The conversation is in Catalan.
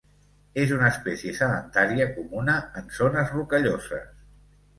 És una espècie sedentària comuna en zones rocalloses.